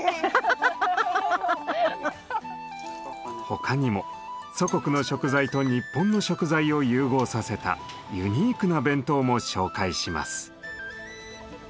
他にも祖国の食材と日本の食材を融合させたユニークな弁当も紹介します。